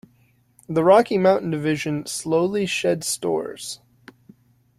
The Rocky Mountain division slowly shed stores.